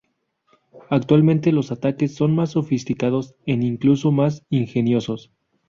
Actualmente los ataques son más sofisticados en incluso más ingeniosos.